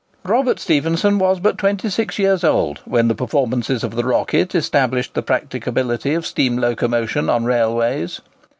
Robert Stephenson was but twenty six years old when the performances of the "Rocket" established the practicability of steam locomotion on railways.